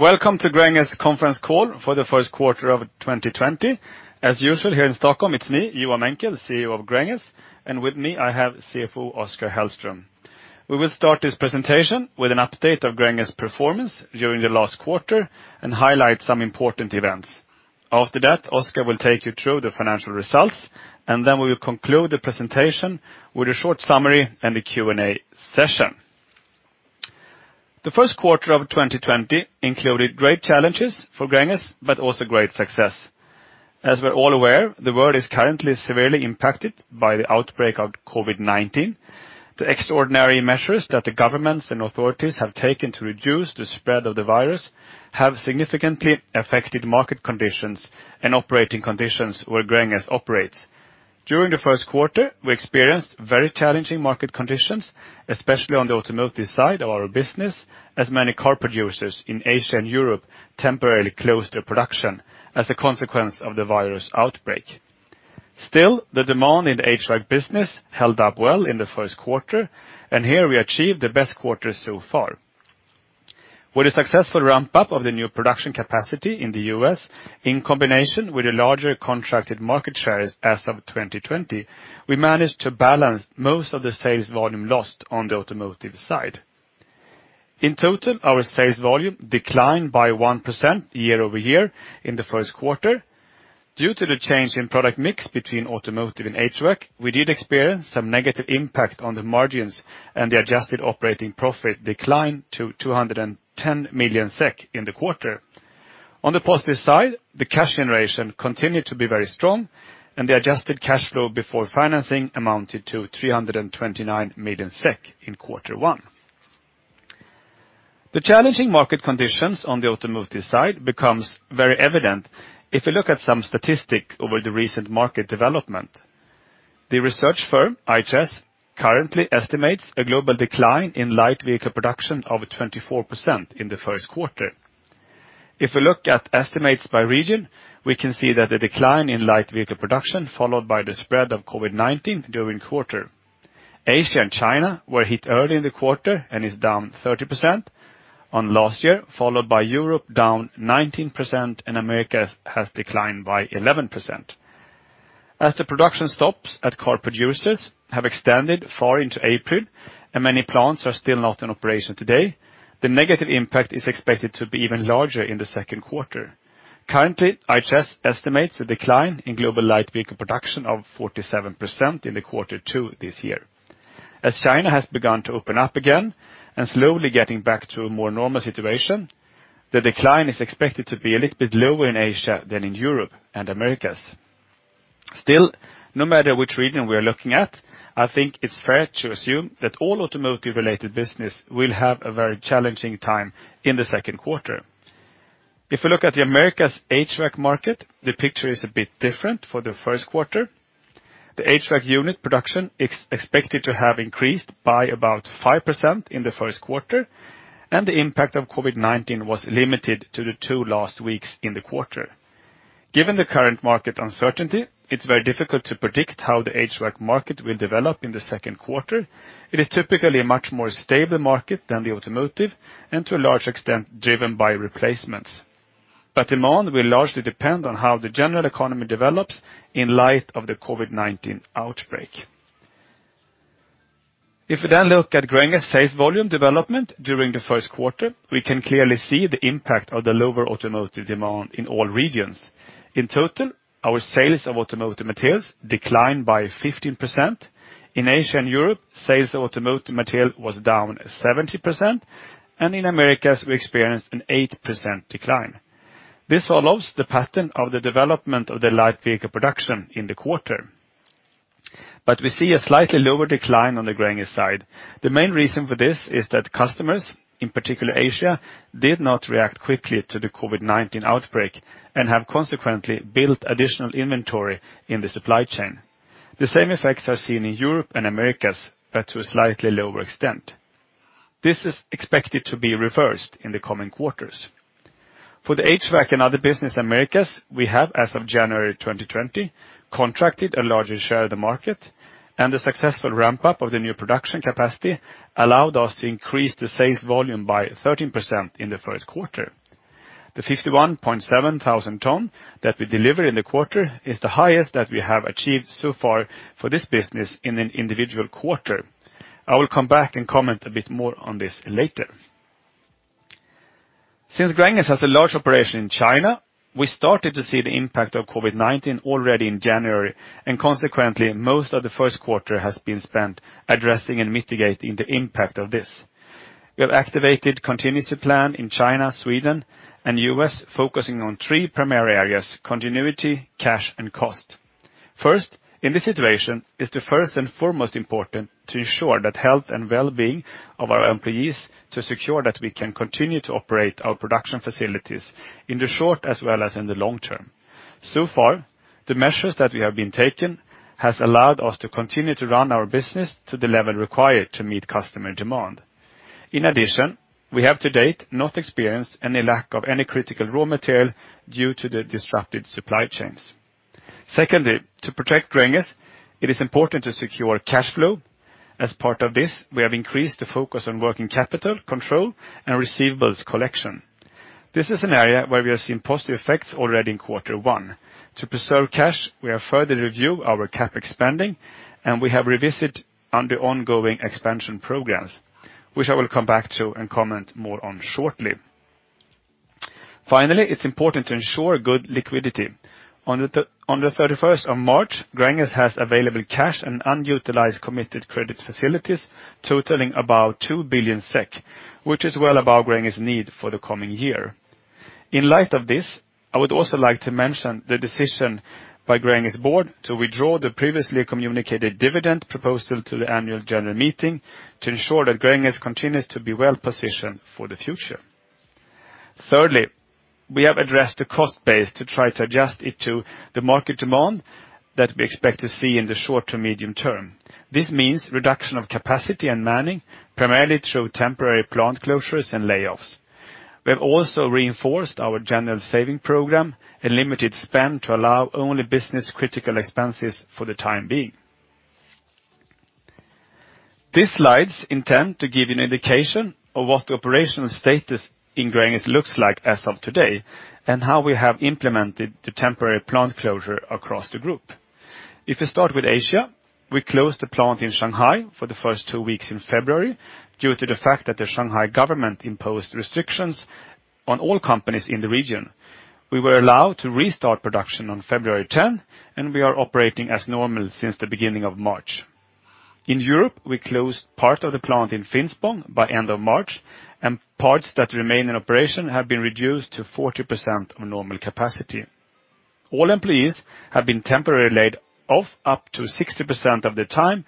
Welcome to Gränges conference call for the first quarter of 2020. As usual, here in Stockholm, it's me, Johan Menckel, CEO of Gränges, and with me I have CFO Oskar Hellström. We will start this presentation with an update of Gränges performance during the last quarter and highlight some important events. After that, Oskar will take you through the financial results, and then we will conclude the presentation with a short summary and a Q&A session. The first quarter of 2020 included great challenges for Gränges, but also great success. As we're all aware, the world is currently severely impacted by the outbreak of COVID-19. The extraordinary measures that the governments and authorities have taken to reduce the spread of the virus have significantly affected market conditions and operating conditions where Gränges operates. During the first quarter, we experienced very challenging market conditions, especially on the automotive side of our business, as many car producers in Asia and Europe temporarily closed their production as a consequence of the virus outbreak. Still, the demand in the HVAC business held up well in the first quarter, and here we achieved the best quarter so far. With a successful ramp-up of the new production capacity in the U.S., in combination with the larger contracted market shares as of 2020, we managed to balance most of the sales volume lost on the automotive side. In total, our sales volume declined by 1% year-over-year in the first quarter. Due to the change in product mix between automotive and HVAC, we did experience some negative impact on the margins, and the adjusted operating profit declined to 210 million SEK in the quarter. On the positive side, the cash generation continued to be very strong. The adjusted cash flow before financing amounted to 329 million SEK in quarter one. The challenging market conditions on the automotive side becomes very evident if you look at some statistics over the recent market development. The research firm IHS currently estimates a global decline in light vehicle production of 24% in the first quarter. If we look at estimates by region, we can see that the decline in light vehicle production followed by the spread of COVID-19 during quarter, Asia and China were hit early in the quarter and is down 30% on last year, followed by Europe, down 19%, and Americas has declined by 11%. As the production stops at car producers have extended far into April and many plants are still not in operation today, the negative impact is expected to be even larger in the second quarter. Currently, IHS estimates a decline in global light vehicle production of 47% in the quarter two this year. As China has begun to open up again and slowly getting back to a more normal situation, the decline is expected to be a little bit lower in Asia than in Europe and Americas. Still, no matter which region we are looking at, I think it's fair to assume that all automotive-related business will have a very challenging time in the second quarter. If we look at the Americas HVAC market, the picture is a bit different for the first quarter. The HVAC unit production is expected to have increased by about 5% in the first quarter, and the impact of COVID-19 was limited to the two last weeks in the quarter. Given the current market uncertainty, it's very difficult to predict how the HVAC market will develop in the second quarter. It is typically a much more stable market than the automotive and to a large extent driven by replacements. Demand will largely depend on how the general economy develops in light of the COVID-19 outbreak. If we then look at Gränges sales volume development during the first quarter, we can clearly see the impact of the lower automotive demand in all regions. In total, our sales of automotive materials declined by 15%. In Asia and Europe, sales of automotive material was down 70%, and in Americas, we experienced an 8% decline. This follows the pattern of the development of the light vehicle production in the quarter. We see a slightly lower decline on the Gränges side. The main reason for this is that customers, in particular Asia, did not react quickly to the COVID-19 outbreak and have consequently built additional inventory in the supply chain. The same effects are seen in Europe and Americas, to a slightly lower extent. This is expected to be reversed in the coming quarters. For the HVAC and other business in Americas, we have, as of January 2020, contracted a larger share of the market, and the successful ramp-up of the new production capacity allowed us to increase the sales volume by 13% in the first quarter. The 51,700 ton that we delivered in the quarter is the highest that we have achieved so far for this business in an individual quarter. I will come back and comment a bit more on this later. Since Gränges has a large operation in China, we started to see the impact of COVID-19 already in January, and consequently, most of the first quarter has been spent addressing and mitigating the impact of this. We have activated contingency plan in China, Sweden, and U.S. focusing on three primary areas: continuity, cash, and cost. First, in this situation, it's the first and foremost important to ensure that health and wellbeing of our employees to secure that we can continue to operate our production facilities in the short as well as in the long term. So far, the measures that we have been taking has allowed us to continue to run our business to the level required to meet customer demand. In addition, we have to date not experienced any lack of any critical raw material due to the disrupted supply chains. Secondly, to protect Gränges, it is important to secure cash flow. As part of this, we have increased the focus on working capital control and receivables collection. This is an area where we have seen positive effects already in quarter one. To preserve cash, we have further reviewed our CapEx spending, and we have revisited the ongoing expansion programs, which I will come back to and comment more on shortly. Finally, it's important to ensure good liquidity. On the 31st of March, Gränges has available cash and unutilized committed credit facilities totaling about 2 billion SEK, which is well above Gränges' need for the coming year. In light of this, I would also like to mention the decision by Gränges board to withdraw the previously communicated dividend proposal to the annual general meeting to ensure that Gränges continues to be well-positioned for the future. Thirdly, we have addressed the cost base to try to adjust it to the market demand that we expect to see in the short to medium term. This means reduction of capacity and manning, primarily through temporary plant closures and layoffs. We have also reinforced our general saving program and limited spend to allow only business-critical expenses for the time being. These slides intend to give you an indication of what the operational status in Gränges looks like as of today, and how we have implemented the temporary plant closure across the group. If we start with Asia, we closed the plant in Shanghai for the first two weeks in February due to the fact that the Shanghai government imposed restrictions on all companies in the region. We were allowed to restart production on February 10. We are operating as normal since the beginning of March. In Europe, we closed part of the plant in Finspång by end of March. Parts that remain in operation have been reduced to 40% of normal capacity. All employees have been temporarily laid off up to 60% of the time.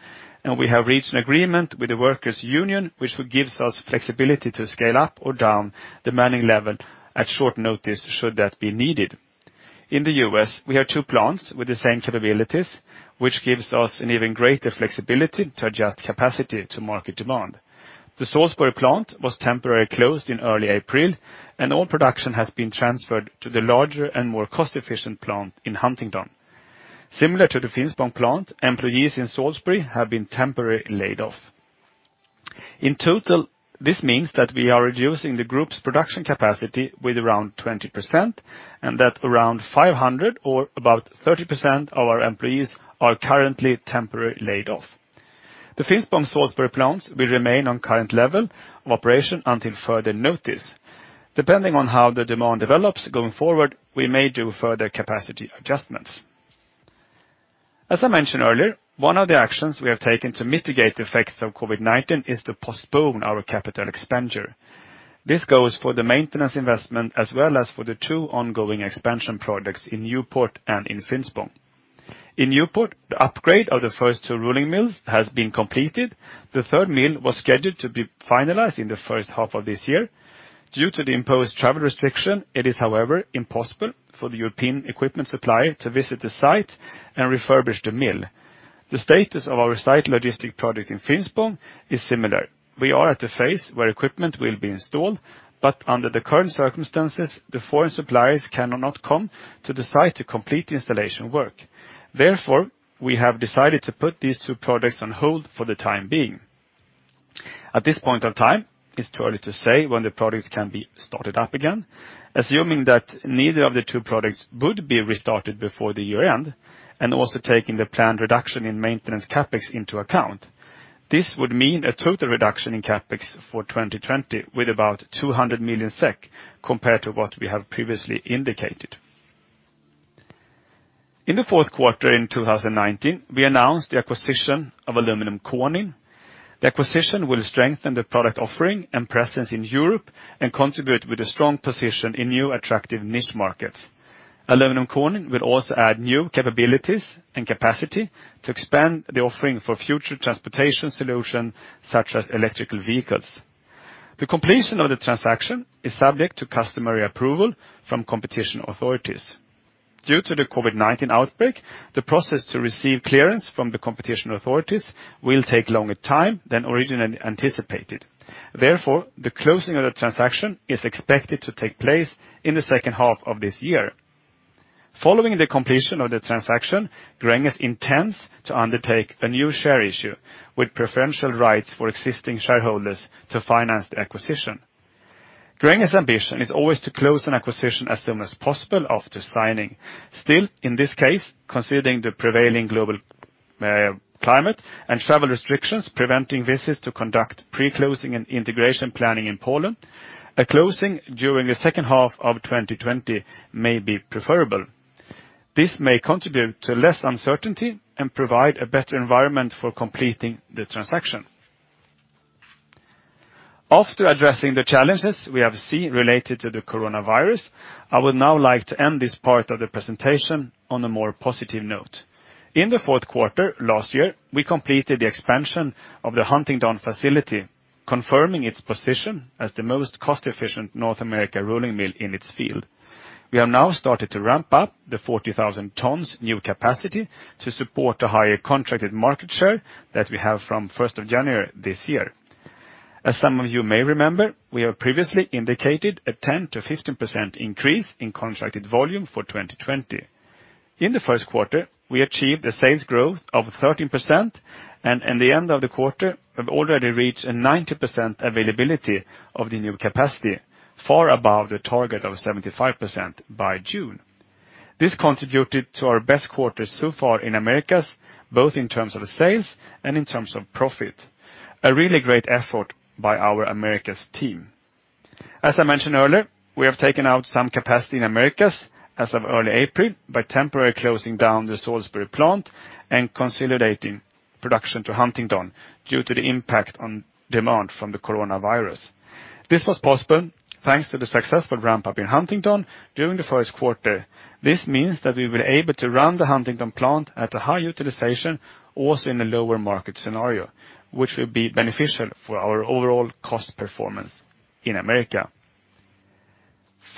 We have reached an agreement with the workers' union, which gives us flexibility to scale up or down the manning level at short notice should that be needed. In the U.S., we have two plants with the same capabilities, which gives us an even greater flexibility to adjust capacity to market demand. The Salisbury plant was temporarily closed in early April, and all production has been transferred to the larger and more cost-efficient plant in Huntingdon. Similar to the Finspång plant, employees in Salisbury have been temporarily laid off. In total, this means that we are reducing the group's production capacity with around 20% and that around 500 or about 30% of our employees are currently temporarily laid off. The Finspång/Salisbury plants will remain on current level of operation until further notice. Depending on how the demand develops going forward, we may do further capacity adjustments. As I mentioned earlier, one of the actions we have taken to mitigate the effects of COVID-19 is to postpone our capital expenditure. This goes for the maintenance investment as well as for the two ongoing expansion projects in Newport and in Finspång. In Newport, the upgrade of the first two rolling mills has been completed. The third mill was scheduled to be finalized in the first half of this year. Due to the imposed travel restriction, it is, however, impossible for the European equipment supplier to visit the site and refurbish the mill. The status of our site logistic project in Finspång is similar. We are at the phase where equipment will be installed, but under the current circumstances, the foreign suppliers cannot come to the site to complete the installation work. Therefore, we have decided to put these two projects on hold for the time being. At this point of time, it is too early to say when the projects can be started up again. Assuming that neither of the two projects would be restarted before the year-end, and also taking the planned reduction in maintenance CapEx into account, this would mean a total reduction in CapEx for 2020 with about 200 million SEK compared to what we have previously indicated. In the fourth quarter in 2019, we announced the acquisition of Aluminium Konin. The acquisition will strengthen the product offering and presence in Europe and contribute with a strong position in new attractive niche markets. Aluminium Konin will also add new capabilities and capacity to expand the offering for future transportation solutions, such as electrical vehicles. The completion of the transaction is subject to customary approval from competition authorities. Due to the COVID-19 outbreak, the process to receive clearance from the competition authorities will take longer time than originally anticipated. Therefore, the closing of the transaction is expected to take place in the second half of this year. Following the completion of the transaction, Gränges intends to undertake a new share issue with preferential rights for existing shareholders to finance the acquisition. Gränges ambition is always to clause an acquisition as soon as possible after signing. Still, in this case, considering the prevailing global climate and travel restrictions preventing visits to conduct pre-closing and integration planning in Poland, a closing during the second half of 2020 may be preferable. This may contribute to less uncertainty and provide a better environment for completing the transaction. After addressing the challenges we have seen related to the coronavirus, I would now like to end this part of the presentation on a more positive note. In the fourth quarter last year, we completed the expansion of the Huntingdon facility, confirming its position as the most cost-efficient North American rolling mill in its field. We have now started to ramp up the 40,000 tons new capacity to support the higher contracted market share that we have from 1st of January this year. As some of you may remember, we have previously indicated a 10% to 15% increase in contracted volume for 2020. In the first quarter, we achieved a sales growth of 13%, and in the end of the quarter, have already reached a 90% availability of the new capacity, far above the target of 75% by June. This contributed to our best quarter so far in Americas, both in terms of sales and in terms of profit. A really great effort by our Americas team. As I mentioned earlier, we have taken out some capacity in Americas as of early April by temporarily closing down the Salisbury plant and consolidating production to Huntingdon due to the impact on demand from the COVID-19. This was possible thanks to the successful ramp-up in Huntingdon during the first quarter. This means that we were able to run the Huntingdon plant at a high utilization, also in a lower market scenario, which will be beneficial for our overall cost performance in America.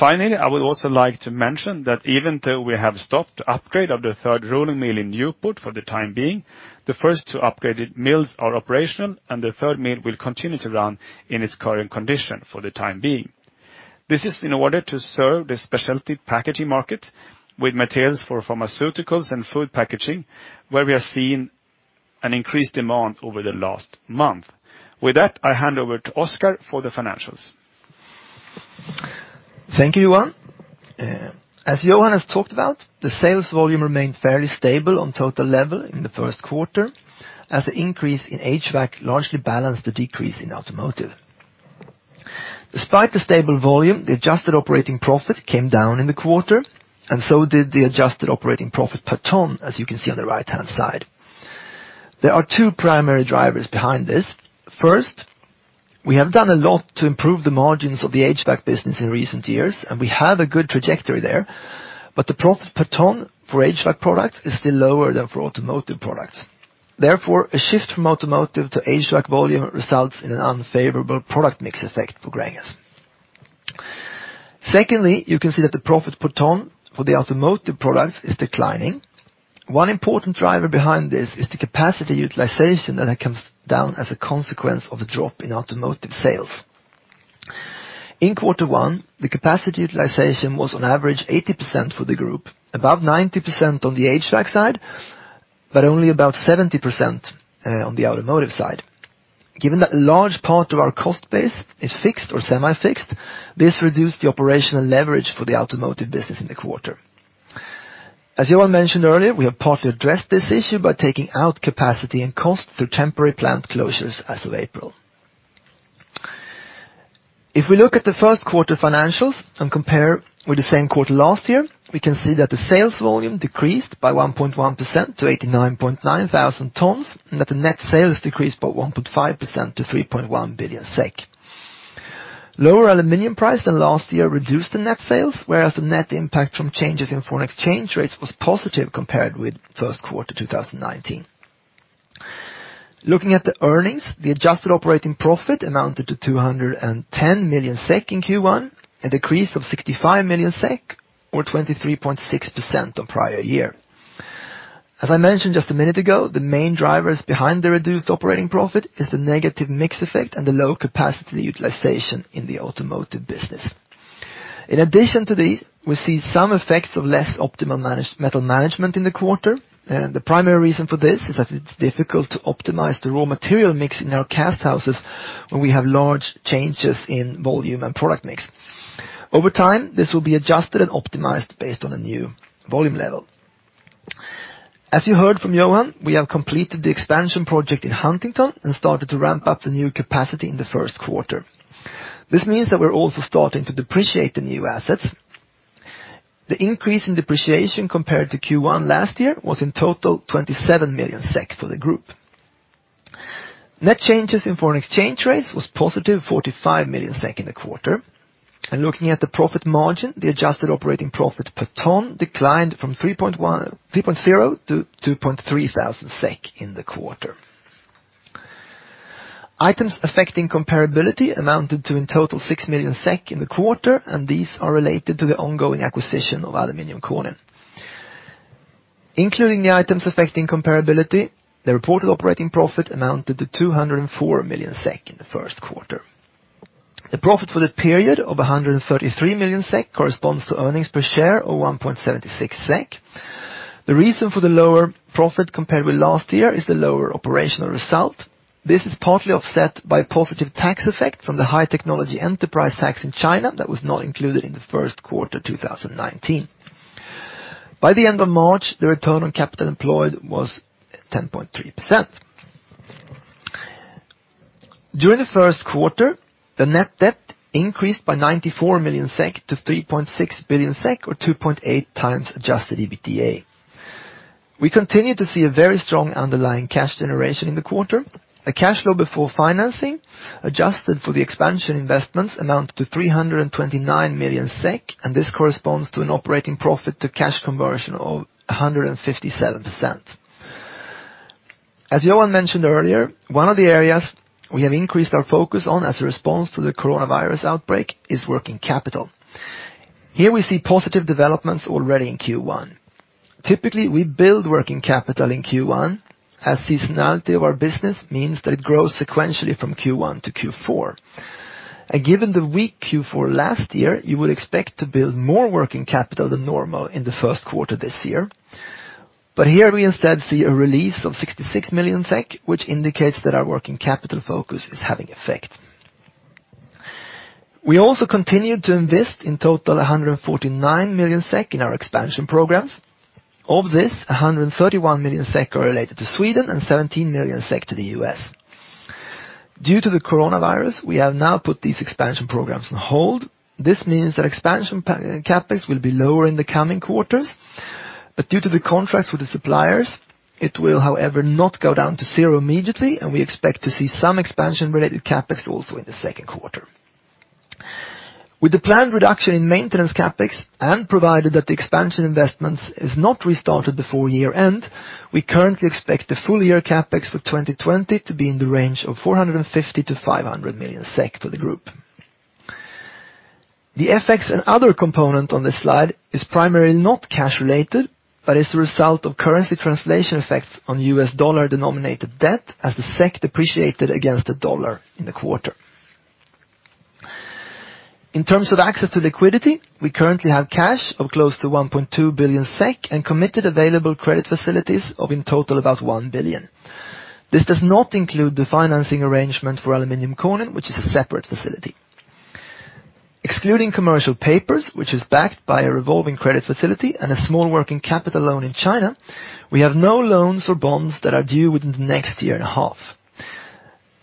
I would also like to mention that even though we have stopped upgrade of the third rolling mill in Newport for the time being, the first two upgraded mills are operational, and the third mill will continue to run in its current condition for the time being. This is in order to serve the specialty packaging market with materials for pharmaceuticals and food packaging, where we are seeing an increased demand over the last month. With that, I hand over to Oskar for the financials. Thank you, Johan Menckel. As Johan has talked about, the sales volume remained fairly stable on total level in the first quarter, as the increase in HVAC largely balanced the decrease in automotive. Despite the stable volume, the adjusted operating profit came down in the quarter, and so did the adjusted operating profit per ton, as you can see on the right-hand side. There are two primary drivers behind this. First, we have done a lot to improve the margins of the HVAC business in recent years, and we have a good trajectory there. The profit per ton for HVAC products is still lower than for automotive products. Therefore, a shift from automotive to HVAC volume results in an unfavorable product mix effect for Gränges. Secondly, you can see that the profit per ton for the automotive products is declining. One important driver behind this is the capacity utilization that comes down as a consequence of a drop in automotive sales. In quarter one, the capacity utilization was on average 80% for the group, above 90% on the HVAC side, but only about 70% on the automotive side. Given that a large part of our cost base is fixed or semi-fixed, this reduced the operational leverage for the automotive business in the quarter. As Johan mentioned earlier, we have partly addressed this issue by taking out capacity and cost through temporary plant closures as of April. If we look at the first quarter financials and compare with the same quarter last year, we can see that the sales volume decreased by 1.1% to 89,900 tons, and that the net sales decreased by 1.5% to 3.1 billion SEK. Lower aluminum price than last year reduced the net sales, whereas the net impact from changes in foreign exchange rates was positive compared with first quarter 2019. Looking at the earnings, the adjusted operating profit amounted to 210 million SEK in Q1, a decrease of 65 million SEK, or 23.6% on prior year. As I mentioned just a minute ago, the main drivers behind the reduced operating profit is the negative mix effect and the low capacity utilization in the automotive business. In addition to these, we see some effects of less optimal metal management in the quarter. The primary reason for this is that it's difficult to optimize the raw material mix in our cast houses when we have large changes in volume and product mix. Over time, this will be adjusted and optimized based on the new volume level. As you heard from Johan, we have completed the expansion project in Huntingdon and started to ramp up the new capacity in the first quarter. This means that we're also starting to depreciate the new assets. The increase in depreciation compared to Q1 last year was in total 27 million SEK for the group. Net changes in foreign exchange rates was positive 45 million SEK in the quarter. Looking at the profit margin, the adjusted operating profit per ton declined from 3.0 thousand to 2.3 thousand SEK in the quarter. Items affecting comparability amounted to in total 6 million SEK in the quarter, and these are related to the ongoing acquisition of Aluminium Konin. Including the items affecting comparability, the reported operating profit amounted to 204 million SEK in the first quarter. The profit for the period of 133 million SEK corresponds to earnings per share of 1.76 SEK. The reason for the lower profit compared with last year is the lower operational result. This is partly offset by a positive tax effect from the High and New Technology Enterprise tax in China that was not included in the first quarter 2019. By the end of March, the return on capital employed was 10.3%. During the first quarter, the net debt increased by 94 million SEK to 3.6 billion SEK, or 2.8 times adjusted EBITDA. We continue to see a very strong underlying cash generation in the quarter. Cash flow before financing, adjusted for the expansion investments, amounted to 329 million SEK. This corresponds to an operating profit to cash conversion of 157%. As Johan mentioned earlier, one of the areas we have increased our focus on as a response to the coronavirus outbreak is working capital. Here we see positive developments already in Q1. Typically, we build working capital in Q1 as seasonality of our business means that it grows sequentially from Q1 to Q4. Given the weak Q4 last year, you would expect to build more working capital than normal in the first quarter this year. Here we instead see a release of 66 million SEK, which indicates that our working capital focus is having effect. We also continued to invest in total 149 million SEK in our expansion programs. Of this, 131 million SEK are related to Sweden and 17 million SEK to the U.S. Due to the COVID-19, we have now put these expansion programs on hold. This means that expansion CapEx will be lower in the coming quarters, but due to the contracts with the suppliers, it will however not go down to zero immediately, and we expect to see some expansion related CapEx also in the second quarter. With the planned reduction in maintenance CapEx, and provided that the expansion investments is not restarted before year-end, we currently expect the full year CapEx for 2020 to be in the range of 450 million-500 million SEK for the group. The FX and other component on this slide is primarily not cash related, but is the result of currency translation effects on US dollar denominated debt as the SEK depreciated against the dollar in the quarter. In terms of access to liquidity, we currently have cash of close to 1.2 billion SEK and committed available credit facilities of in total about 1 billion. This does not include the financing arrangement for Aluminium Konin, which is a separate facility. Excluding commercial papers, which is backed by a revolving credit facility and a small working capital loan in China, we have no loans or bonds that are due within the next year and a half.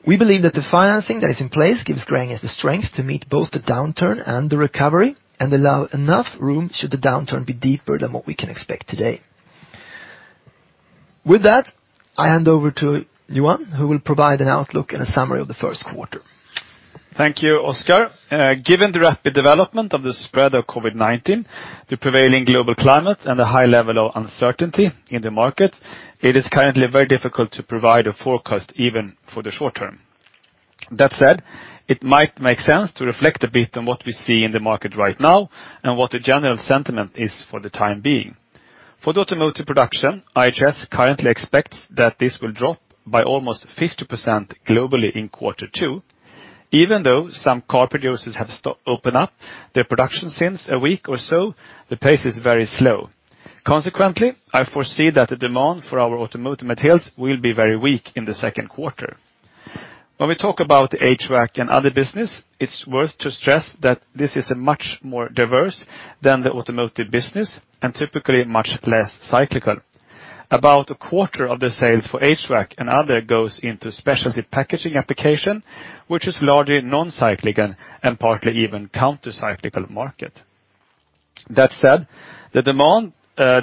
We believe that the financing that is in place gives Gränges the strength to meet both the downturn and the recovery and allow enough room should the downturn be deeper than what we can expect today. With that, I hand over to Johan, who will provide an outlook and a summary of the first quarter. Thank you, Oskar. Given the rapid development of the spread of COVID-19, the prevailing global climate, and the high level of uncertainty in the market, it is currently very difficult to provide a forecast even for the short term. That said, it might make sense to reflect a bit on what we see in the market right now and what the general sentiment is for the time being. For the automotive production, IHS currently expect that this will drop by almost 50% globally in quarter two. Even though some car producers have opened up their production since a week or so, the pace is very slow. Consequently, I foresee that the demand for our automotive materials will be very weak in the second quarter. When we talk about HVAC and other business, it's worth to stress that this is a much more diverse than the automotive business and typically much less cyclical. About a quarter of the sales for HVAC and other goes into specialty packaging application, which is largely non-cyclical and partly even counter-cyclical market. That said, the demand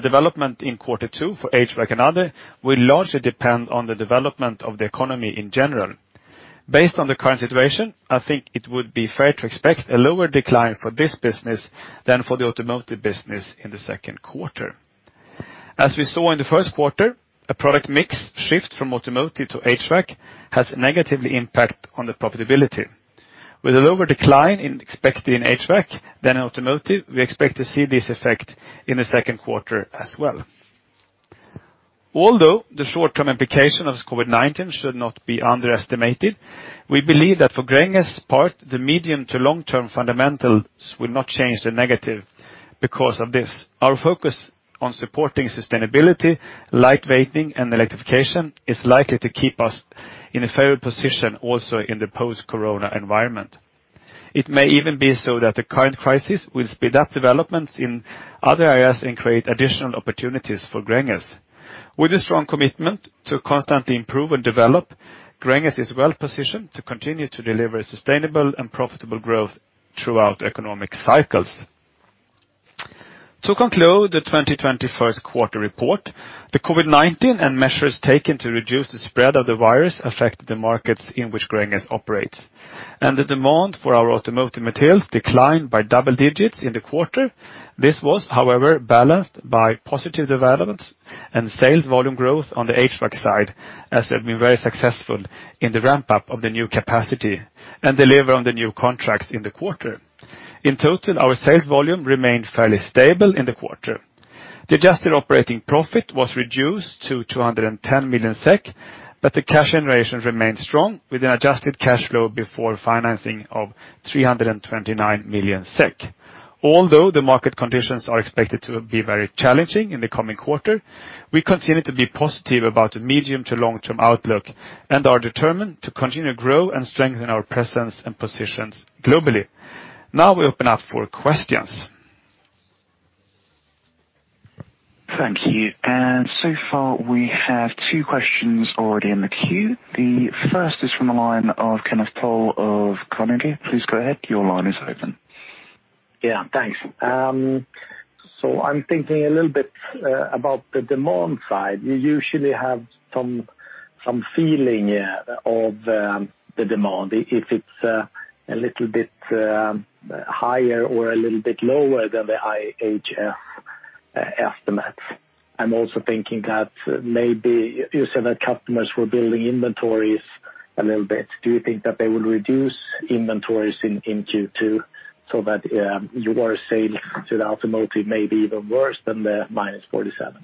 development in quarter two for HVAC and other will largely depend on the development of the economy in general. Based on the current situation, I think it would be fair to expect a lower decline for this business than for the automotive business in the second quarter. As we saw in the first quarter, a product mix shift from automotive to HVAC has a negative impact on the profitability. With a lower decline expected in HVAC than in automotive, we expect to see this effect in the second quarter as well. Although the short-term implication of COVID-19 should not be underestimated, we believe that for Gränges' part, the medium to long-term fundamentals will not change the negative because of this. Our focus on supporting sustainability, lightweighting, and electrification is likely to keep us in a favored position also in the post-corona environment. It may even be so that the current crisis will speed up developments in other areas and create additional opportunities for Gränges. With a strong commitment to constantly improve and develop, Gränges is well positioned to continue to deliver sustainable and profitable growth throughout economic cycles. To conclude the 2020 first quarter report, the COVID-19 and measures taken to reduce the spread of the virus affect the markets in which Gränges operates, and the demand for our automotive materials declined by double digits in the quarter. This was, however, balanced by positive developments and sales volume growth on the HVAC side, as they've been very successful in the ramp-up of the new capacity and deliver on the new contracts in the quarter. In total, our sales volume remained fairly stable in the quarter. The adjusted operating profit was reduced to 210 million SEK, but the cash generation remained strong with an adjusted cash flow before financing of 329 million SEK. Although the market conditions are expected to be very challenging in the coming quarter, we continue to be positive about the medium to long-term outlook and are determined to continue to grow and strengthen our presence and positions globally. Now we open up for questions. Thank you. So far, we have two questions already in the queue. The first is from the line of Kenneth Toll of Carnegie. Please go ahead. Your line is open. Yeah, thanks. I'm thinking a little bit about the demand side. You usually have some feeling of the demand, if it's a little bit higher or a little bit lower than the IHS estimates. I'm also thinking that maybe you said that customers were building inventories a little bit. Do you think that they will reduce inventories in Q2, so that your sales to the automotive may be even worse than the -47?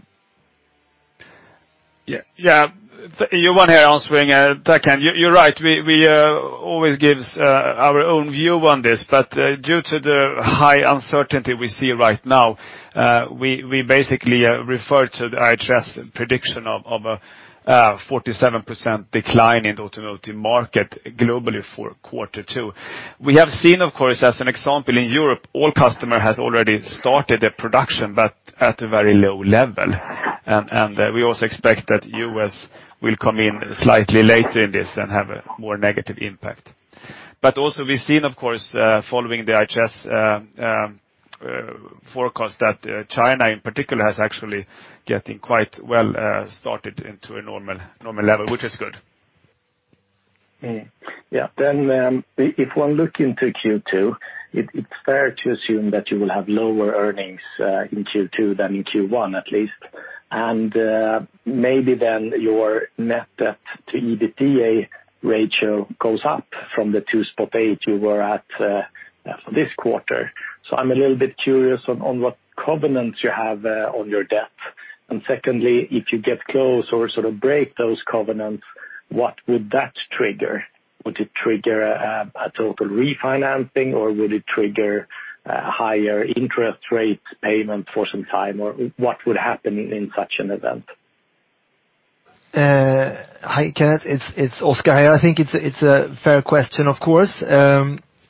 Yeah. Johan here answering. Thank you. You're right, we always give our own view on this, but due to the high uncertainty we see right now, we basically refer to the IHS prediction of a 47% decline in the automotive market globally for quarter two. We have seen, of course, as an example, in Europe, all customer has already started a production, but at a very low level. We also expect that U.S. will come in slightly later in this and have a more negative impact. Also we've seen, of course, following the IHS forecast that China in particular, has actually getting quite well started into a normal level, which is good. Yeah. If one look into Q2, it's fair to assume that you will have lower earnings in Q2 than in Q1 at least. Maybe then your net debt to EBITDA ratio goes up from the 2.8 you were at this quarter. I'm a little bit curious on what covenants you have on your debt. Secondly, if you get close or sort of break those covenants, what would that trigger? Would it trigger a total refinancing or would it trigger a higher interest rate payment for some time? What would happen in such an event? Hi, Kenneth. It's Oskar here. I think it's a fair question, of course.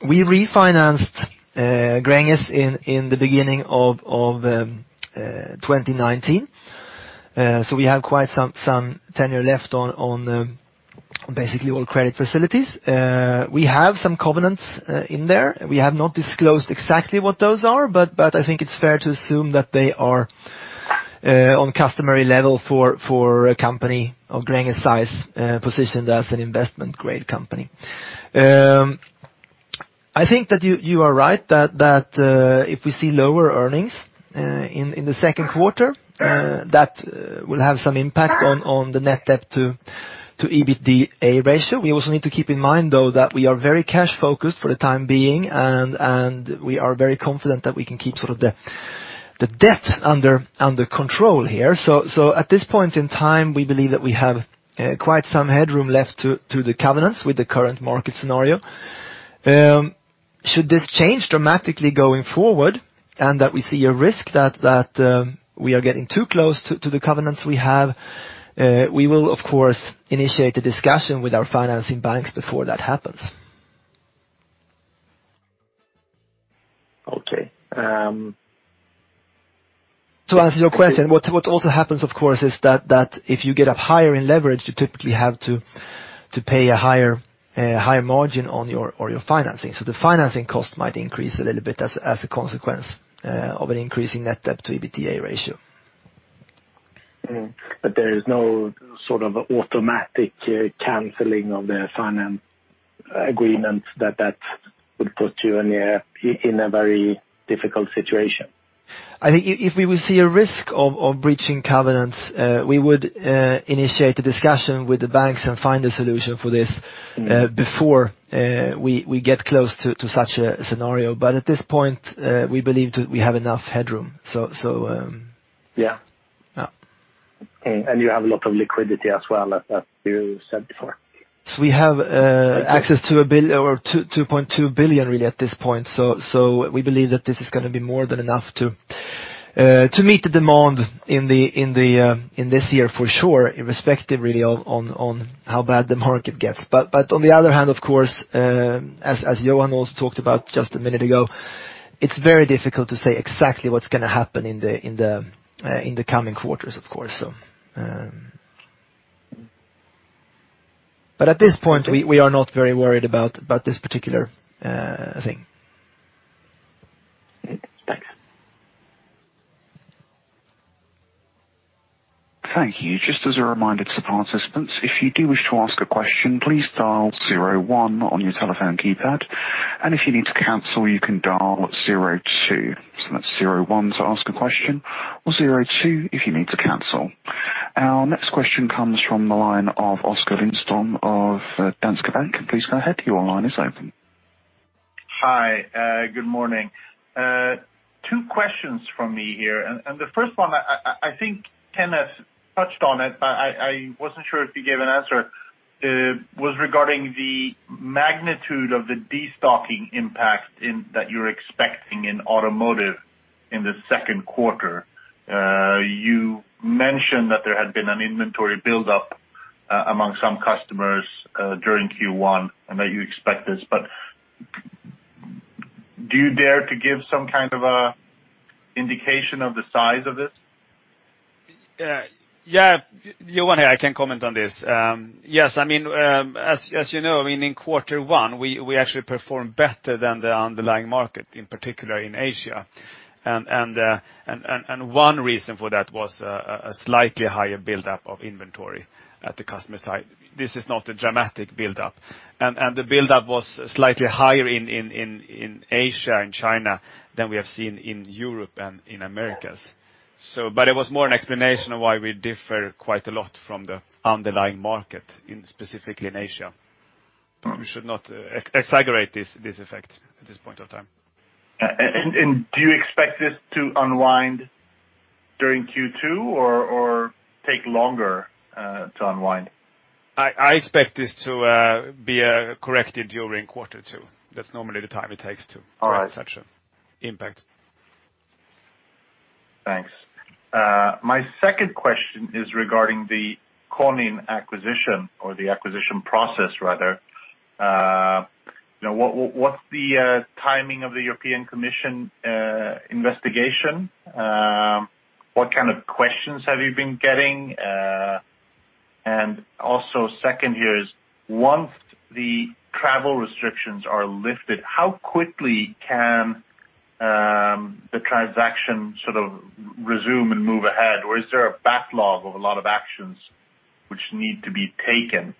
We refinanced Gränges in the beginning of 2019. We have quite some tenure left on basically all credit facilities. We have some covenants in there. We have not disclosed exactly what those are, but I think it's fair to assume that they are on customary level for a company of Gränges' size, positioned as an investment grade company. I think that you are right that if we see lower earnings in the second quarter, that will have some impact on the net debt to EBITDA ratio. We also need to keep in mind though that we are very cash-focused for the time being, and we are very confident that we can keep the debt under control here. At this point in time, we believe that we have quite some headroom left to the covenants with the current market scenario. Should this change dramatically going forward and that we see a risk that we are getting too close to the covenants we have, we will, of course, initiate a discussion with our financing banks before that happens. Okay. To answer your question, what also happens, of course, is that if you get up higher in leverage, you typically have to pay a higher margin on your financing. The financing cost might increase a little bit as a consequence of an increasing net debt to EBITDA ratio. There is no sort of automatic canceling of the finance agreement that would put you in a very difficult situation? I think if we will see a risk of breaching covenants, we would initiate a discussion with the banks and find a solution for this before we get close to such a scenario. At this point, we believe we have enough headroom. Yeah. Yeah. Okay, you have a lot of liquidity as well, as you said before. We have access to 2.2 billion really at this point. We believe that this is going to be more than enough to meet the demand in this year for sure, irrespective really on how bad the market gets. On the other hand, of course, as Johan also talked about just a minute ago, it's very difficult to say exactly what's going to happen in the coming quarters, of course. At this point, we are not very worried about this particular thing. Thanks. Thank you. Just as a reminder to participants, if you do wish to ask a question, please dial zero one on your telephone keypad, and if you need to cancel, you can dial zero two. That's zero one to ask a question or zero two if you need to cancel. Our next question comes from the line of Oskar Lindström of Danske Bank. Please go ahead. Your line is open. Hi. Good morning. Two questions from me here. The first one, I think Kenneth touched on it, but I wasn't sure if you gave an answer, was regarding the magnitude of the destocking impact that you're expecting in automotive in the second quarter. You mentioned that there had been an inventory buildup among some customers during Q1, and that you expect this, but do you dare to give some kind of indication of the size of this? Yeah. Johan here. I can comment on this. Yes, as you know, in quarter one, we actually performed better than the underlying market, in particular in Asia. One reason for that was a slightly higher buildup of inventory at the customer side. This is not a dramatic buildup. The buildup was slightly higher in Asia, in China, than we have seen in Europe and in Americas. It was more an explanation of why we differ quite a lot from the underlying market, specifically in Asia. We should not exaggerate this effect at this point of time. Do you expect this to unwind during Q2 or take longer to unwind? I expect this to be corrected during quarter two. That's normally the time it takes. All right. correct such an impact. Thanks. My second question is regarding the Konin acquisition or the acquisition process rather. What's the timing of the European Commission investigation? What kind of questions have you been getting? Also second here is, once the travel restrictions are lifted, how quickly can the transaction sort of resume and move ahead, or is there a backlog of a lot of actions which need to be taken?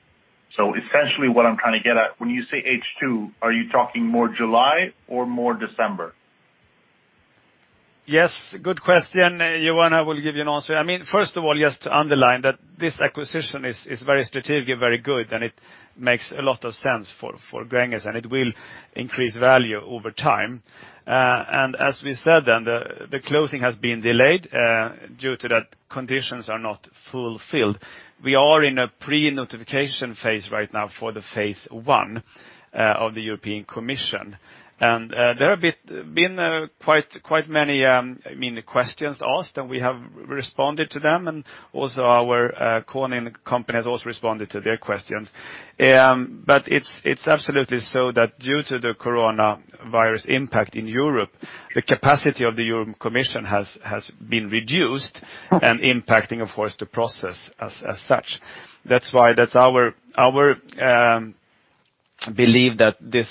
Essentially what I'm trying to get at, when you say H2, are you talking more July or more December? Yes, good question, Johan Menckel. I will give you an answer. First of all, just to underline that this acquisition is very strategic, very good, and it makes a lot of sense for Gränges, and it will increase value over time. As we said, then the closing has been delayed due to that conditions are not fulfilled. We are in a pre-notification phase right now for the phase 1 of the European Commission. There have been quite many questions asked, and we have responded to them, and also our Konin company has also responded to their questions. It's absolutely so that due to the COVID-19 impact in Europe, the capacity of the European Commission has been reduced and impacting, of course, the process as such. That's why that's our belief that this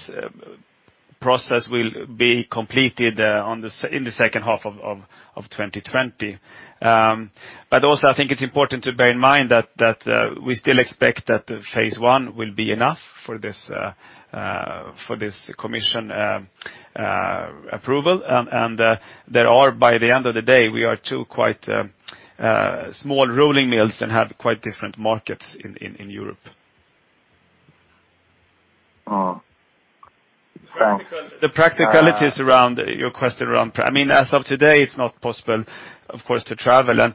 process will be completed in the second half of 2020. Also, I think it's important to bear in mind that we still expect that phase one will be enough for this commission approval. There are, by the end of the day, we are two quite small rolling mills and have quite different markets in Europe. Oh, thanks. The practicalities around your question. As of today, it's not possible, of course, to travel.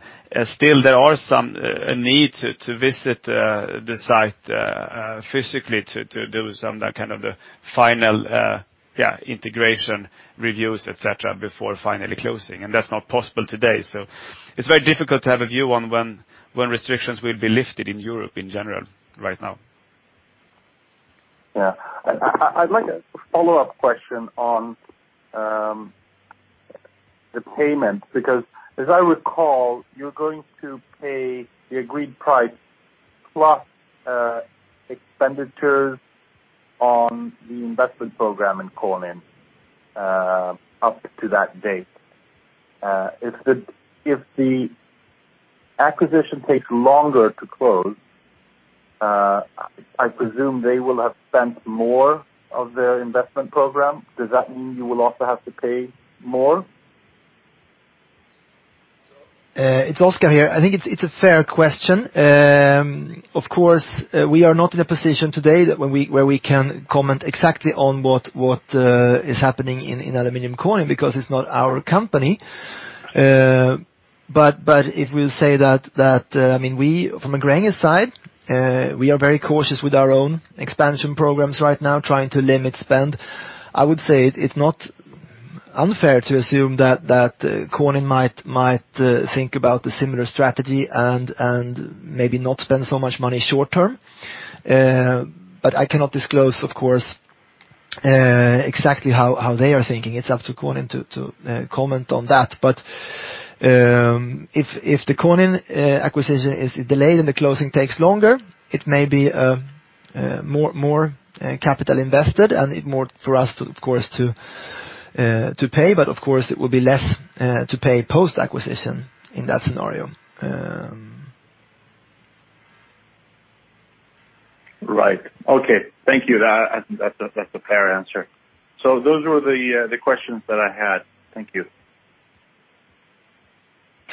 Still there are some need to visit the site physically to do some of that final integration reviews, et cetera, before finally closing. That's not possible today. It's very difficult to have a view on when restrictions will be lifted in Europe in general right now. Yeah. I'd like a follow-up question on the payment, because as I recall, you're going to pay the agreed price plus expenditures on the investment program in Konin up to that date. If the acquisition takes longer to close, I presume they will have spent more of their investment program. Does that mean you will also have to pay more? It's Oskar here. I think it's a fair question. Of course, we are not in a position today where we can comment exactly on what is happening in Aluminium Konin, because it's not our company. If we'll say that, from a Gränges side, we are very cautious with our own expansion programs right now, trying to limit spend. I would say it's not unfair to assume that Konin might think about a similar strategy and maybe not spend so much money short term. I cannot disclose, of course, exactly how they are thinking. It's up to Konin to comment on that. If the Konin acquisition is delayed and the closing takes longer, it may be more capital invested and more for us, of course, to pay, but of course it will be less to pay post-acquisition in that scenario. Right. Okay. Thank you. That's a fair answer. Those were the questions that I had. Thank you.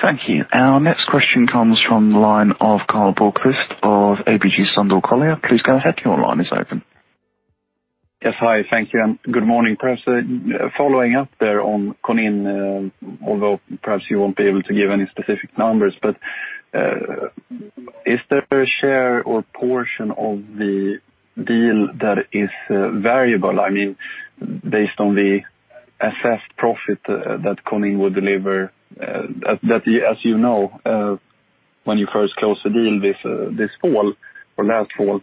Thank you. Our next question comes from the line of Karl Bokvist of ABG Sundal Collier. Please go ahead. Your line is open. Yes. Hi. Thank you and good morning. Perhaps following up there on Konin, although perhaps you won't be able to give any specific numbers, is there a share or portion of the deal that is variable? Based on the assessed profit that Konin would deliver, that as you know when you first closed the deal this fall or last fall,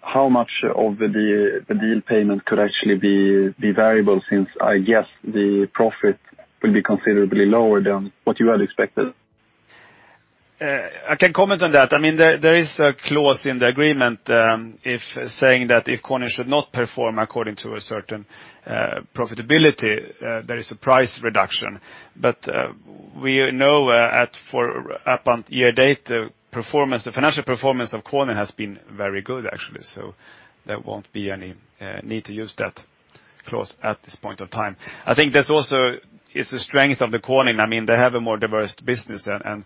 how much of the deal payment could actually be variable since I guess the profit will be considerably lower than what you had expected? I can comment on that. There is a clause in the agreement saying that if Konin should not perform according to a certain profitability, there is a price reduction. We know up on year date, the financial performance of Konin has been very good, actually. There won't be any need to use that close at this point in time. I think that also is the strength of the Konin. They have a more diverse business, and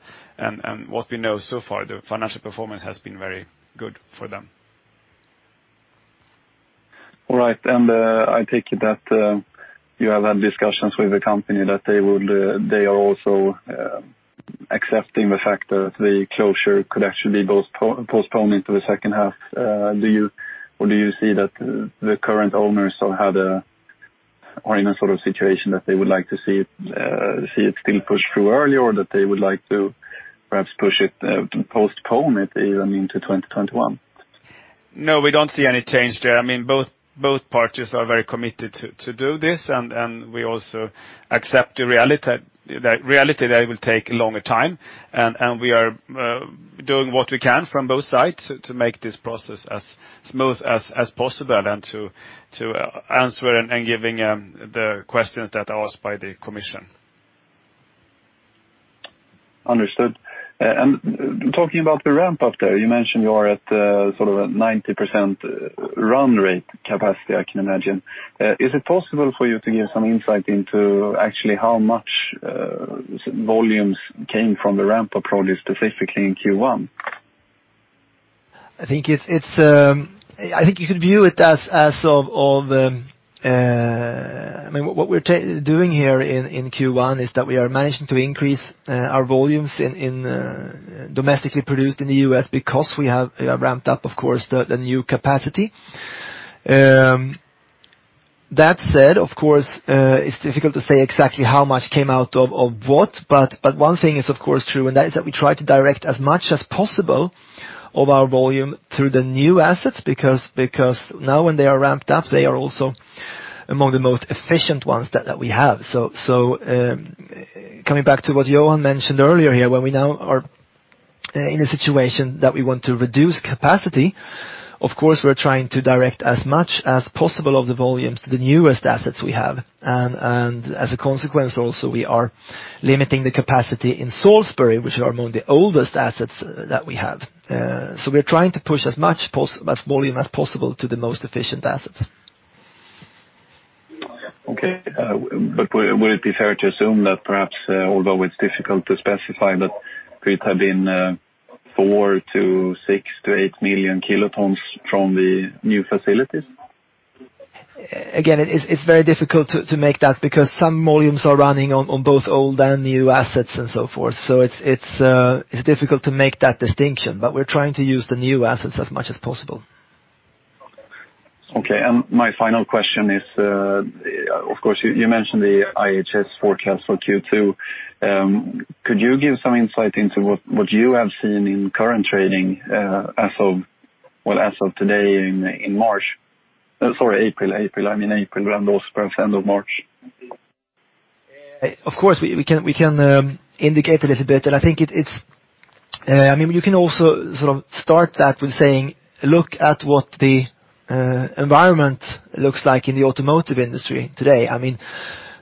what we know so far, the financial performance has been very good for them. All right. I take it that you have had discussions with the company that they are also accepting the fact that the closure could actually be postponed into the second half. Do you see that the current owners are in a sort of situation that they would like to see it still pushed through earlier, or that they would like to perhaps postpone it even into 2021? No, we don't see any change there. Both parties are very committed to do this, and we also accept the reality that it will take a longer time, and we are doing what we can from both sides to make this process as smooth as possible, and to answer and giving the questions that are asked by the Commission. Understood. Talking about the ramp-up there, you mentioned you are at sort of a 90% run rate capacity, I can imagine. Is it possible for you to give some insight into actually how much volumes came from the ramp-up probably specifically in Q1? I think you could view it as, what we're doing here in Q1 is that we are managing to increase our volumes domestically produced in the U.S. because we have ramped up, of course, the new capacity. That said, of course, it's difficult to say exactly how much came out of what, but one thing is of course true, and that is that we try to direct as much as possible of our volume through the new assets because now when they are ramped up, they are also among the most efficient ones that we have. Coming back to what Johan mentioned earlier here, where we now are in a situation that we want to reduce capacity, of course, we're trying to direct as much as possible of the volumes to the newest assets we have. As a consequence also, we are limiting the capacity in Salisbury, which are among the oldest assets that we have. We are trying to push as much volume as possible to the most efficient assets. Okay. Would it be fair to assume that perhaps, although it's difficult to specify, but could have been four to six to eight million kilotons from the new facilities? It's very difficult to make that because some volumes are running on both old and new assets and so forth. It's difficult to make that distinction, but we're trying to use the new assets as much as possible. Okay. My final question is, of course, you mentioned the IHS forecast for Q2. Could you give some insight into what you have seen in current trading as of today in March? Sorry, April. I mean April, round those perhaps end of March. Of course, we can indicate a little bit, and I think you can also sort of start that with saying, look at what the environment looks like in the automotive industry today.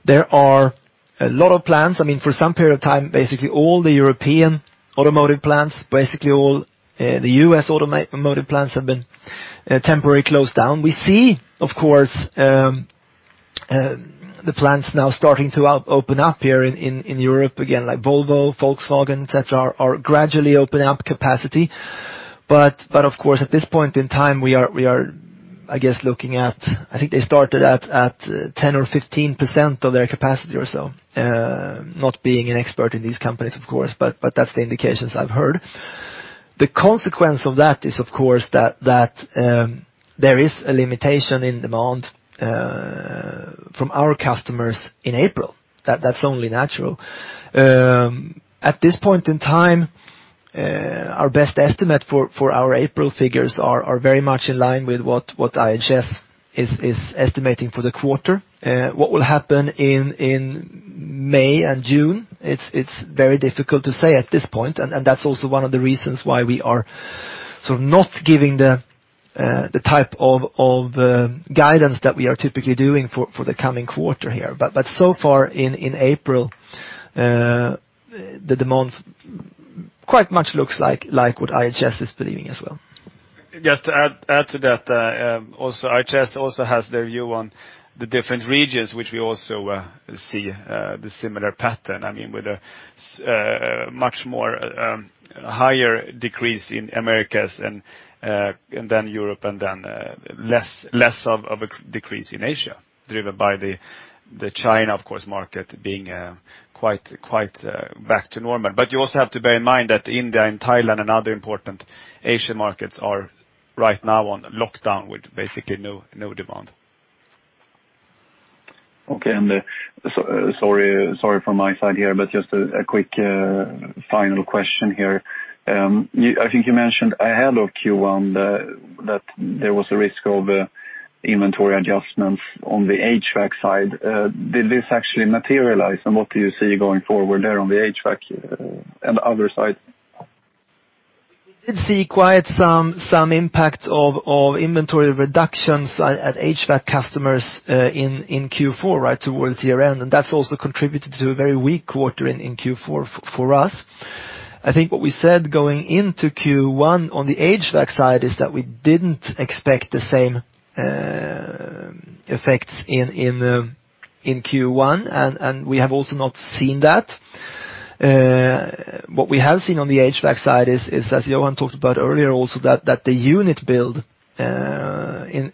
There are a lot of plants. For some period of time basically all the European automotive plants, basically all the U.S. automotive plants have been temporarily closed down. We see, of course, the plants now starting to open up here in Europe again, like Volvo, Volkswagen, et cetera, are gradually opening up capacity. Of course, at this point in time, we are, I guess, looking at, I think they started at 10% or 15% of their capacity or so. Not being an expert in these companies, of course, but that's the indications I've heard. The consequence of that is, of course, that there is a limitation in demand from our customers in April. That's only natural. At this point in time, our best estimate for our April figures are very much in line with what IHS is estimating for the quarter. What will happen in May and June, it's very difficult to say at this point, and that's also one of the reasons why we are not giving the type of guidance that we are typically doing for the coming quarter here. So far in April, the demand quite much looks like what IHS is believing as well. Just to add to that, IHS also has their view on the different regions, which we also see the similar pattern. With a much more higher decrease in Americas and then Europe and then less of a decrease in Asia, driven by the China, of course, market being quite back to normal. You also have to bear in mind that India and Thailand and other important Asian markets are right now on lockdown with basically no demand. Okay. Sorry from my side here, but just a quick final question here. I think you mentioned ahead of Q1 that there was a risk of inventory adjustments on the HVAC side. Did this actually materialize, and what do you see going forward there on the HVAC and other side? We did see quite some impact of inventory reductions at HVAC customers in Q4 right towards the end, and that's also contributed to a very weak quarter in Q4 for us. I think what we said going into Q1 on the HVAC side is that we didn't expect the same effects in Q1, and we have also not seen that. What we have seen on the HVAC side is, as Johan talked about earlier also, that the unit build in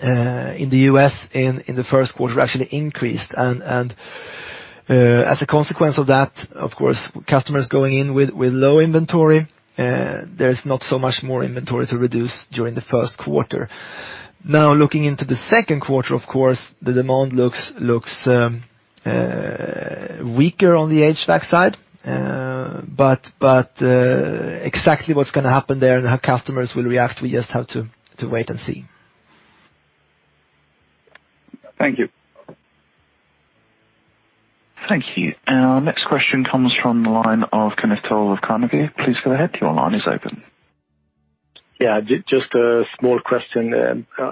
the U.S. in the first quarter actually increased. As a consequence of that, of course, customers going in with low inventory, there is not so much more inventory to reduce during the first quarter. Looking into the second quarter, of course, the demand looks weaker on the HVAC side. Exactly what's going to happen there and how customers will react, we just have to wait and see. Thank you. Thank you. Our next question comes from the line of Kenneth Toll of Carnegie. Please go ahead. Your line is open. Just a small question.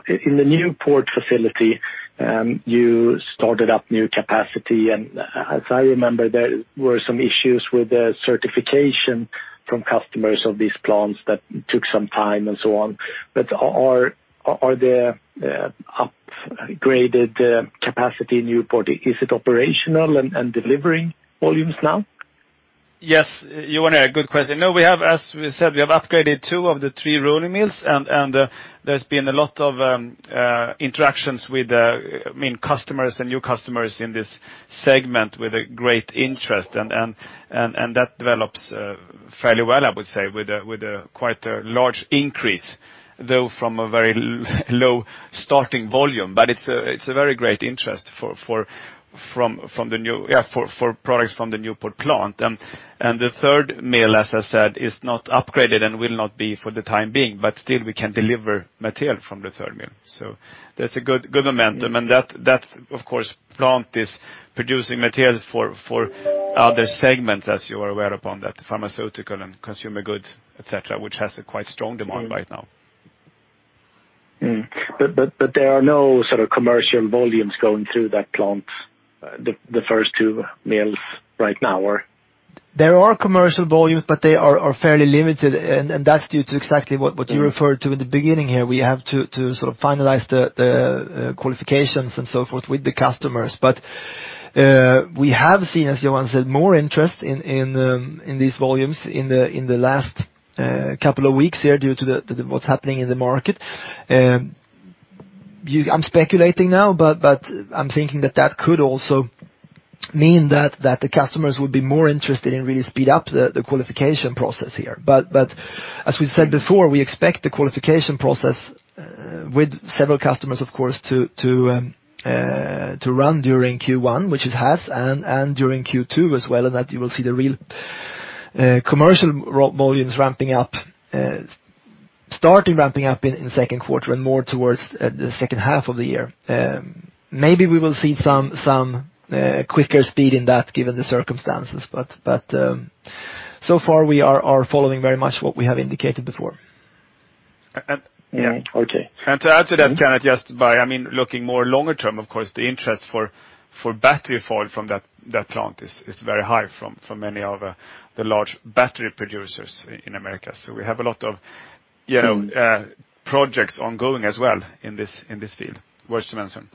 In the Newport facility, you started up new capacity, and as I remember, there were some issues with the certification from customers of these plants that took some time and so on. Is it operational and delivering volumes now? Yes. Johan, a good question. As we said, we have upgraded two of the three rolling mills, and there's been a lot of interactions with customers and new customers in this segment with a great interest, and that develops fairly well, I would say, with quite a large increase, though from a very low starting volume. It's a very great interest for products from the Newport plant. The third mill, as I said, is not upgraded and will not be for the time being, but still we can deliver material from the third mill. There's a good momentum. That, of course, plant is producing material for other segments, as you are aware, upon that pharmaceutical and consumer goods, et cetera, which has a quite strong demand right now. There are no sort of commercial volumes going through that plant, the first two mills right now or? There are commercial volumes, they are fairly limited, and that's due to exactly what you referred to in the beginning here. We have to sort of finalize the qualifications and so forth with the customers. We have seen, as Johan said, more interest in these volumes in the last couple of weeks here due to what's happening in the market. I'm speculating now, I'm thinking that that could also mean that the customers would be more interested and really speed up the qualification process here. As we said before, we expect the qualification process with several customers, of course, to run during Q1, which it has, and during Q2 as well, and that you will see the real commercial volumes starting ramping up in the second quarter and more towards the second half of the year. Maybe we will see some quicker speed in that given the circumstances. So far we are following very much what we have indicated before. Okay. To add to that, Kenneth, just by looking more longer term, of course, the interest for battery foil from that plant is very high from many of the large battery producers in America. We have a lot of projects ongoing as well in this field, worth mentioning.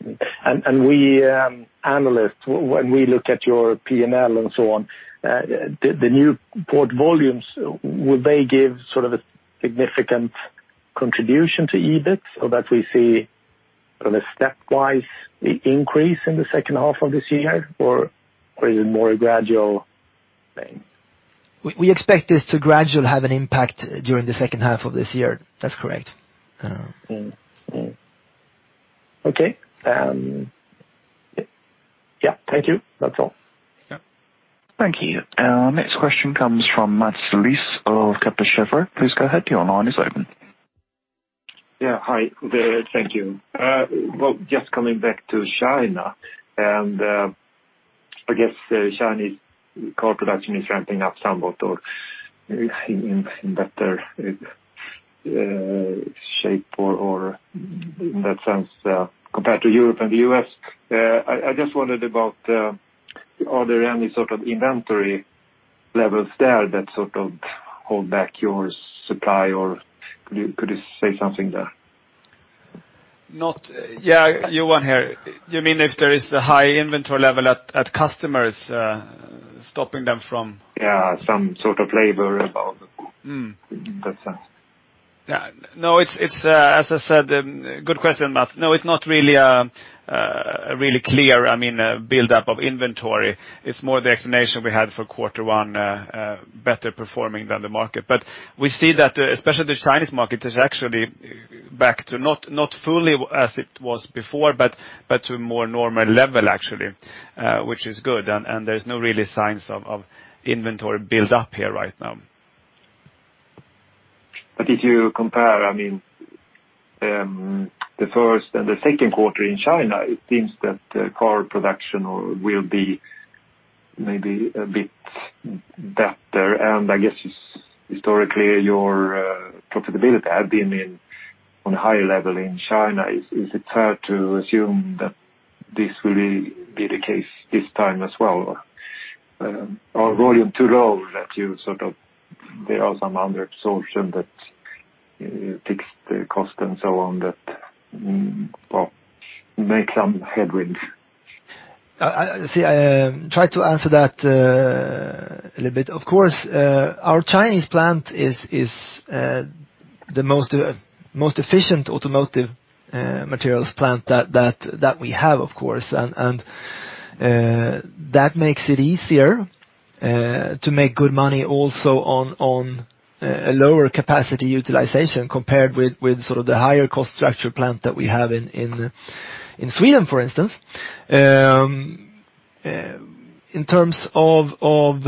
We analysts, when we look at your P&L and so on, the Newport volumes, will they give sort of a significant contribution to EBIT so that we see sort of a stepwise increase in the second half of this year? Or is it more a gradual thing? We expect this to gradually have an impact during the second half of this year. That's correct. Okay. Yeah, thank you. That's all. Thank you. Our next question comes from Mats Liss of Kepler Cheuvreux. Please go ahead. Your line is open. Yeah, hi there. Thank you. Well, just coming back to China, I guess the Chinese car production is ramping up somewhat or in better shape or in that sense, compared to Europe and the U.S. I just wondered about, are there any sort of inventory levels there that sort of hold back your supply, or could you say something there? Yeah, Johan here. You mean if there is a high inventory level at customers, stopping them from- Yeah, some sort of labor involved. That sense. Yeah. No, as I said, good question, Mats. No, it's not really a clear buildup of inventory. It's more the explanation we had for quarter one, better performing than the market. We see that especially the Chinese market is actually back to not fully as it was before, but to a more normal level actually, which is good, and there's no really signs of inventory buildup here right now. If you compare, the first and the second quarter in China, it seems that car production will be maybe better, and I guess historically your profitability had been on a higher level in China. Is it fair to assume that this will be the case this time as well? Volume too low that there are some under absorption that takes the cost and so on, that make some headwinds? I try to answer that a little bit. Of course, our Chinese plant is the most efficient automotive materials plant that we have, of course. That makes it easier to make good money also on a lower capacity utilization compared with the higher cost structure plant that we have in Sweden, for instance. In terms of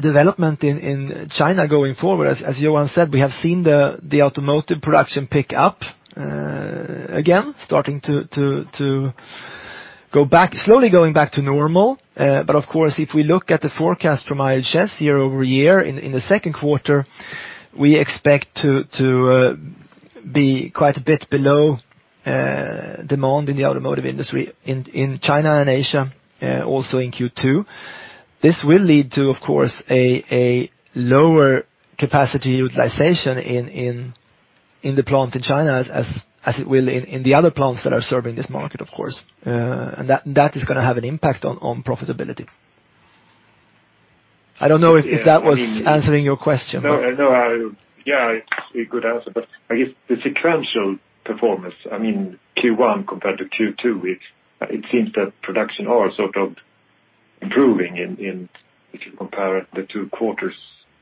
development in China going forward, as Johan said, we have seen the automotive production pick up again, starting to slowly going back to normal. Of course, if we look at the forecast from IHS year-over-year in the second quarter, we expect to be quite a bit below demand in the automotive industry in China and Asia, also in Q2. This will lead to, of course, a lower capacity utilization in the plant in China as it will in the other plants that are serving this market, of course. That is going to have an impact on profitability. I don't know if that was answering your question. No. It's a good answer. I guess the sequential performance, Q1 compared to Q2, it seems that production are sort of improving if you compare the two quarters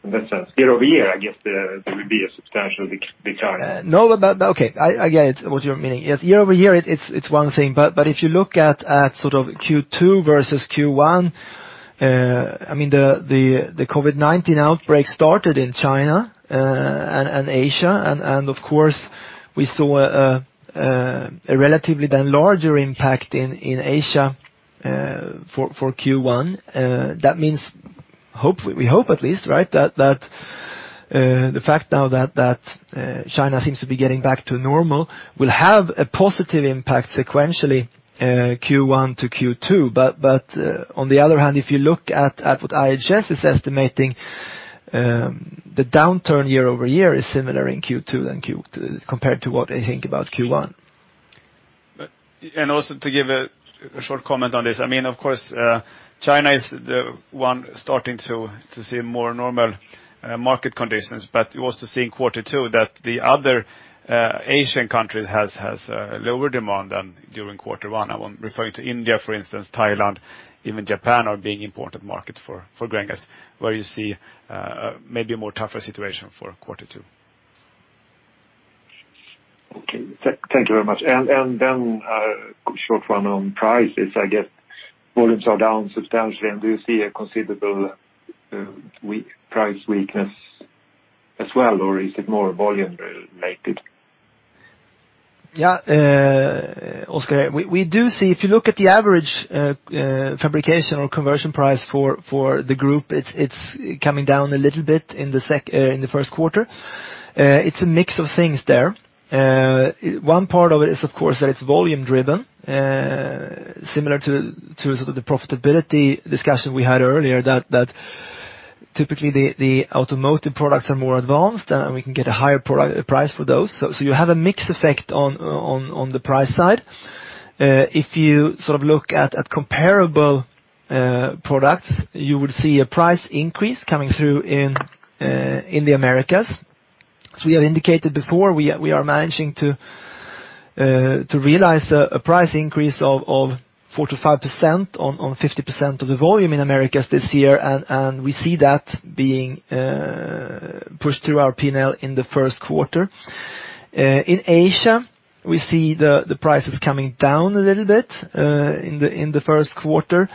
in that sense. Year-over-year, I guess there will be a substantial decline. No, okay. I get what you're meaning. Yes, year-over-year it's one thing. If you look at Q2 versus Q1, the COVID-19 outbreak started in China and Asia. Of course, we saw a relatively then larger impact in Asia for Q1. That means, we hope at least, that the fact now that China seems to be getting back to normal will have a positive impact sequentially Q1 to Q2. On the other hand, if you look at what IHS is estimating, the downturn year-over-year is similar in Q2 compared to what they think about Q1. Also to give a short comment on this, of course, China is the one starting to see a more normal market conditions, but you also see in quarter two that the other Asian countries has lower demand than during quarter one. I'm referring to India, for instance, Thailand, even Japan are being important markets for Gränges, where you see maybe a more tougher situation for quarter two. Okay. Thank you very much. Then a short one on prices. I guess volumes are down substantially. Do you see a considerable price weakness as well, or is it more volume related? Oskar. If you look at the average fabrication or conversion price for the group, it's coming down a little bit in the first quarter. It's a mix of things there. One part of it is, of course, that it's volume driven, similar to the profitability discussion we had earlier, that typically the automotive products are more advanced, and we can get a higher price for those. You have a mix effect on the price side. If you look at comparable products, you would see a price increase coming through in the Americas. As we have indicated before, we are managing to realize a price increase of 45%-50% of the volume in Americas this year, and we see that being pushed through our P&L in the first quarter. In Asia, we see the prices coming down a little bit in the first quarter.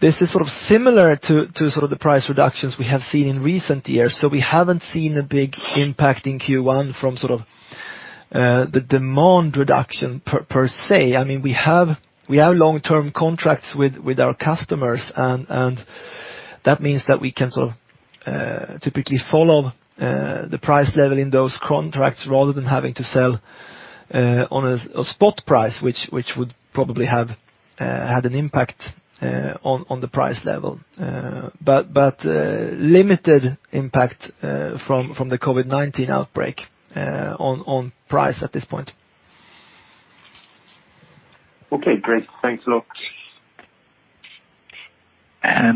This is similar to the price reductions we have seen in recent years. We haven't seen a big impact in Q1 from the demand reduction per se. We have long-term contracts with our customers, and that means that we can typically follow the price level in those contracts rather than having to sell on a spot price, which would probably have had an impact on the price level. Limited impact from the COVID-19 outbreak on price at this point. Okay, great. Thanks a lot.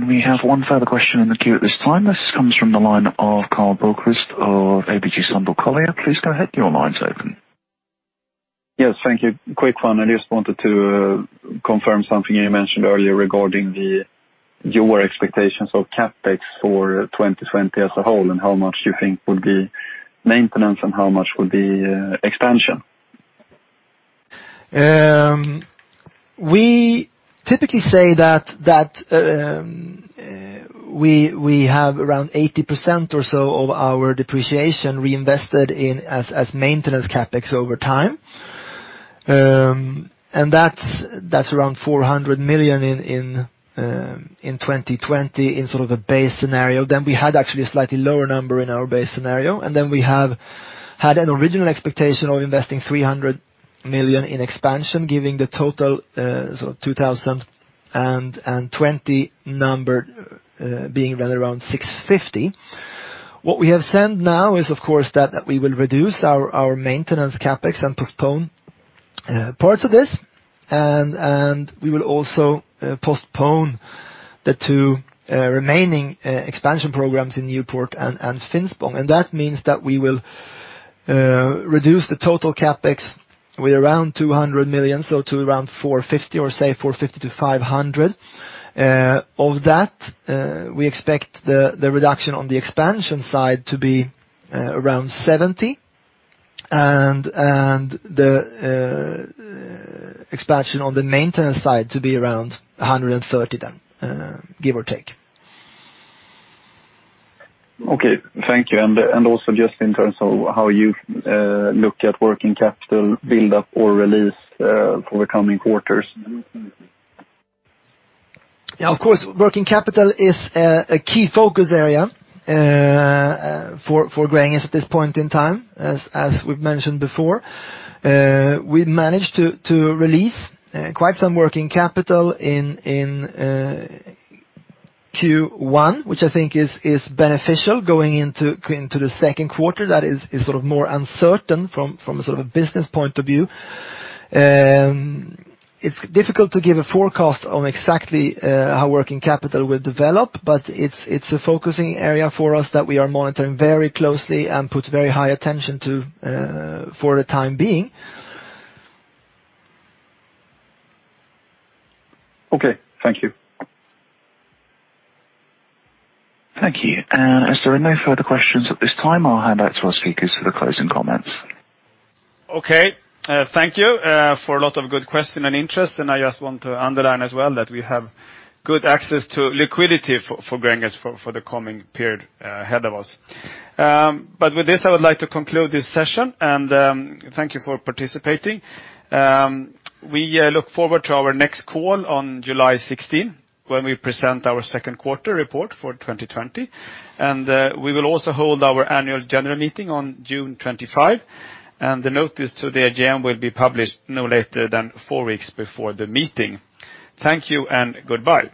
We have one further question in the queue at this time. This comes from the line of Karl Bokvist of ABG Sundal Collier. Please go ahead. Your line's open. Yes, thank you. Quick one. I just wanted to confirm something you mentioned earlier regarding your expectations of CapEx for 2020 as a whole, and how much you think would be maintenance and how much would be expansion? We typically say that we have around 80% or so of our depreciation reinvested as maintenance CapEx over time. That's around 400 million in 2020 in sort of a base scenario. We had actually a slightly lower number in our base scenario, and then we have had an original expectation of investing 300 million in expansion, giving the total sort of 2020 number being around 650. What we have said now is, of course, that we will reduce our maintenance CapEx and postpone parts of this, and we will also postpone the two remaining expansion programs in Newport and Finspång, and that means that we will reduce the total CapEx with around 200 million, so to around 450 or say 450-500. Of that, we expect the reduction on the expansion side to be around 70, and the expansion on the maintenance side to be around 130 then, give or take. Okay. Thank you. Also just in terms of how you look at working capital build-up or release for the coming quarters? Of course, working capital is a key focus area for Gränges at this point in time, as we've mentioned before. We managed to release quite some working capital in Q1, which I think is beneficial going into the second quarter. That is sort of more uncertain from a sort of a business point of view. It's difficult to give a forecast on exactly how working capital will develop, but it's a focusing area for us that we are monitoring very closely and put very high attention to for the time being. Okay. Thank you. Thank you. As there are no further questions at this time, I'll hand back to our speakers for the closing comments. Okay. Thank you for a lot of good questions and interest. I just want to underline as well that we have good access to liquidity for Gränges for the coming period ahead of us. With this, I would like to conclude this session, and thank you for participating. We look forward to our next call on July 16, when we present our second quarter report for 2020. We will also hold our annual general meeting on June 25, and the notice to the AGM will be published no later than four weeks before the meeting. Thank you and goodbye.